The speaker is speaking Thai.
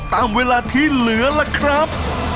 ตามเวลาที่เหลือล่ะครับ